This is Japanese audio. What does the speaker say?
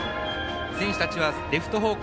選手たちはレフト方向